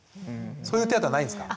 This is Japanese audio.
そういう手当はないんですか？